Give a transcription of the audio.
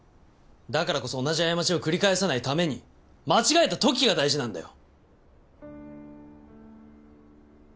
だからこそ同じ過ちを繰り返さないために間違えた時が大事なんだよ！